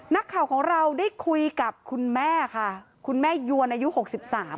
นักข่าวของเราได้คุยกับคุณแม่ค่ะคุณแม่ยวนอายุหกสิบสาม